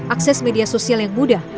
akses media sosial yang mudah